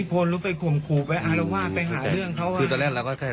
ผมไม่ได้ยุ่งกับใครผมไม่ได้นั่งกับใคร